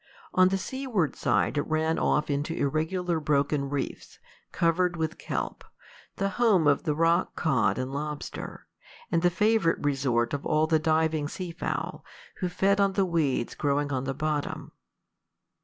On the seaward side it ran off into irregular broken reefs, covered with kelp, the home of the rock cod and lobster, and the favorite resort of all the diving sea fowl, who fed on the weeds growing on the bottom.